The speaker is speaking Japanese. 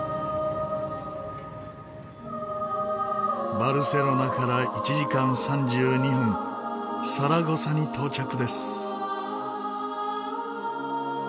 バルセロナから１時間３２分サラゴサに到着です。